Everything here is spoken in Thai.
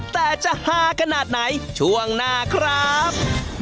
แต่จะหากระดาษไหนช่วงหน้าครับ